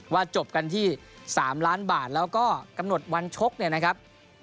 จบกันที่๓ล้านบาทแล้วก็กำหนดวันชกเนี่ยนะครับ